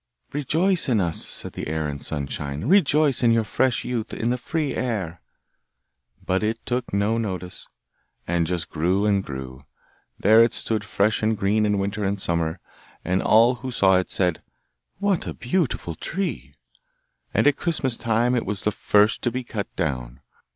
'Rejoice in us,' said the air and sunshine, 'rejoice in your fresh youth in the free air!' But it took no notice, and just grew and grew; there it stood fresh and green in winter and summer, and all who saw it said, 'What a beautiful tree!' And at Christmas time it was the first to be cut down.